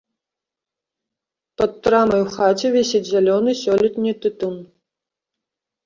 Пад трамай у хаце вісіць зялёны сёлетні тытун.